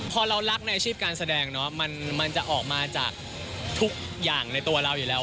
พอเรารักในอาชีพการแสดงเนาะมันจะออกมาจากทุกอย่างในตัวเราอยู่แล้ว